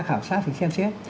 khảo sát và xem xét